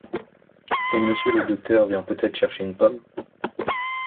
Et monsieur le docteur vient peut-être chercher une pomme ?